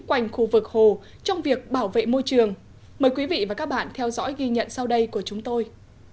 quanh khu vực hồ trong việc bảo vệ môi trường mời quý vị và các bạn theo dõi ghi nhận sau đây của chúng tôi